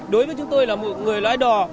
đối với chúng tôi là một người lái đò